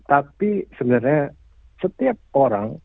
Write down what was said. tapi sebenarnya setiap orang